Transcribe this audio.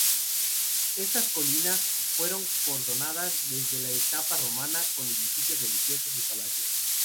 Estas colinas fueron coronadas desde la etapa romana con edificios religiosos y palacios.